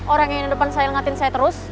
orang yang ini depan saya ilahkan saya terus